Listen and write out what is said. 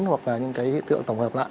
hoặc là những cái hiện tượng tổng hợp lại